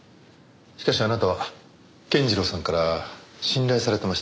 しかしあなたは健次郎さんから信頼されてましたよね？